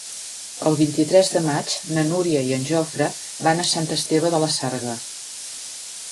El vint-i-tres de maig na Núria i en Jofre van a Sant Esteve de la Sarga.